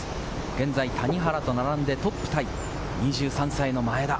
現在、谷原と並んでトップタイ２３歳の前田。